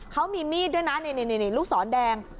เขามีมีดด้วยนะนี่ลูกศรแดง